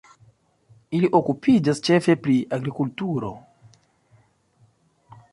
Ili okupiĝas ĉefe pri agrikulturo.